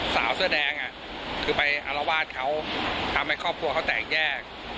สาวเสื้อแดงคือไปอารวาสเขาทำให้ครอบครัวเขาแตกแยก